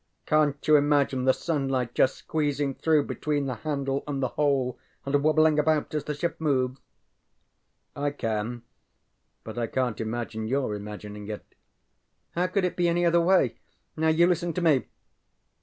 CanŌĆÖt you imagine the sunlight just squeezing through between the handle and the hole and wobbling about as the ship moves? ŌĆØ ŌĆ£I can, but I canŌĆÖt imagine your imagining it. ŌĆØ ŌĆ£How could it be any other way? Now you listen to me.